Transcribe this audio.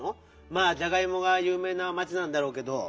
まあじゃがいもがゆう名な町なんだろうけど。